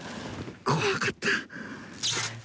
怖かった。